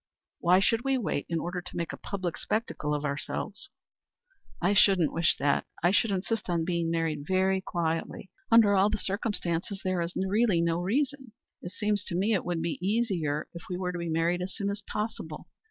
Why should we wait in order to make a public spectacle of ourselves?" "I shouldn't wish that. I should insist on being married very quietly. Under all the circumstances there is really no reason it seems to me it would be easier if we were to be married as soon as possible.